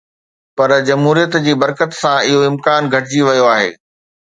پر جمهوريت جي برڪت سان اهو امڪان گهٽجي ويو آهي.